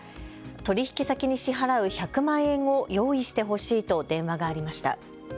取引先に支払う１００万円を用意してほしいと電話がありました。